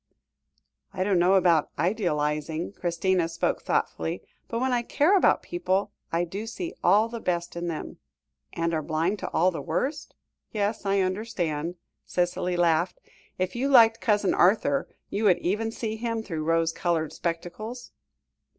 "I don't know about idealising," Christina spoke thoughtfully, "but, when I care about people, I do see all the best in them " "And are blind to all the worst? Yes, I understand," Cicely laughed, "if you liked Cousin Arthur, you would even see him through rose coloured spectacles?"